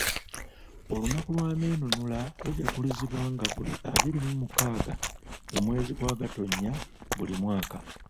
Olunaku lw'amenunula lujaguzibwa nga buli abiri mu mukaaga mu mwezi gwa Gattonya buli mwaka.